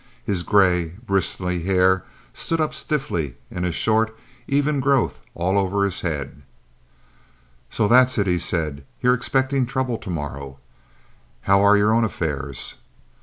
His gray, bristly hair stood up stiffly in a short, even growth all over his head. "So that's it," he said. "You're expectin' trouble to morrow. How are your own affairs?"